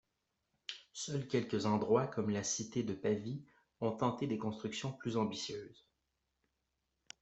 Seuls quelques endroits, comme la cité de Pavis, ont tenté des constructions plus ambitieuses.